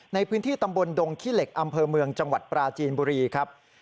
ในพื้นที่ตำบลดงขี้เหล็กอำเภอเมืองจังหวัดปราจีนบุรีครับ